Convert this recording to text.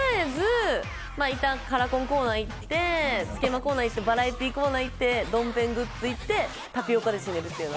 いったんカラコンコーナー行ってつけまコーナー行ってバラエティーコーナー行ってドンペングッズ行ってタピオカで締めるっていう。